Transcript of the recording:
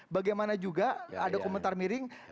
bagaimana juga ada komentar miring